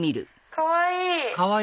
かわいい！